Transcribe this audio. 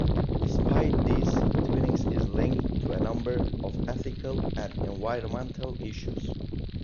Despite this, Twinings is linked to a number of ethical and environmental issues.